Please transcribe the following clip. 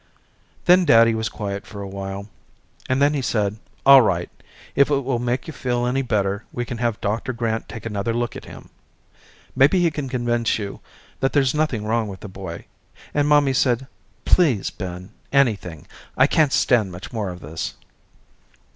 Then daddy was quiet for a while, and then he said all right, if it will make you feel any better we can have Doctor Grant take another look at him. Maybe he can convince you that there's nothing wrong with the boy, and mommy said please, Ben, anything, I can't stand much more of this.